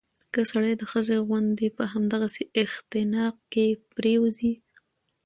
که سړى د ښځې غوندې په همدغسې اختناق کې پرېوځي